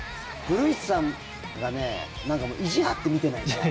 古市さんがもう意地張って見てないから。